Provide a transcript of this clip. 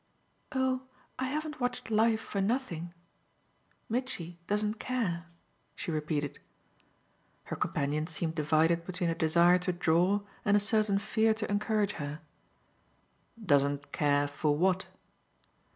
"Oh I haven't watched life for nothing! Mitchy doesn't care," she repeated. Her companion seemed divided between a desire to draw and a certain fear to encourage her. "Doesn't care for what?"